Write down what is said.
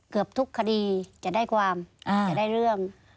เกือบทุกคดีจะได้ความจะได้เรื่อง